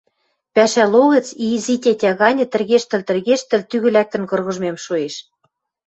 Пӓшӓ логӹц, изи тетя ганьы тӹргештӹл-тӹргештӹл, тӱгӹ лӓктӹн кыргыжмем шоэш.